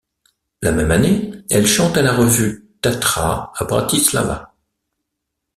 La même année, elle chante à la Revue Tatra à Bratislava.